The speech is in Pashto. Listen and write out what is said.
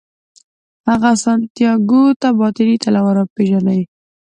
هغه سانتیاګو ته باطني طلا ورپېژني.